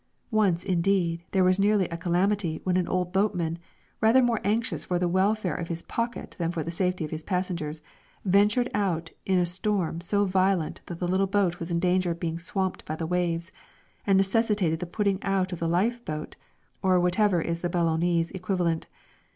Once, indeed, there was nearly a calamity when an old boatman, rather more anxious for the welfare of his pocket than the safety of his passengers, ventured out in a storm so violent that the little boat was in danger of being swamped by the waves, and necessitated the putting out of the lifeboat, or whatever is the Boulognese equivalent.